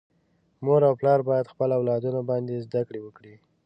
مور او پلار باید خپل اولادونه باندي زده کړي وکړي.